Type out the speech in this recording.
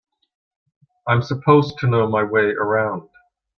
I'm supposed to know my way around.